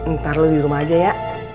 ntar lu di rumah aja ya